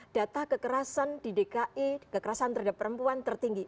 data kekerasan di dki kekerasan terhadap perempuan tertinggi